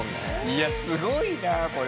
いやすごいなこれ。